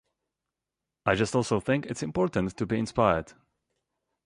I just also think it's important to be inspired.